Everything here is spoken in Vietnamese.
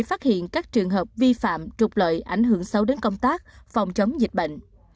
phát hiện các trường hợp vi phạm trục lợi ảnh hưởng sâu đến công tác phòng chống dịch bệnh